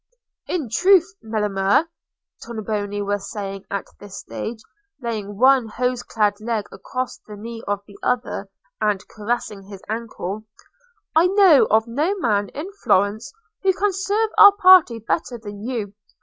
"In truth, Melema," Tornabuoni was saying at this stage, laying one hose clad leg across the knee of the other, and caressing his ankle, "I know of no man in Florence who can serve our party better than you.